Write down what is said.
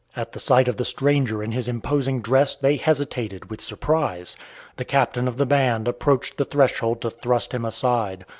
At the sight of the stranger in his imposing dress they hesitated with surprise. The captain of the band approached the threshold to thrust him aside.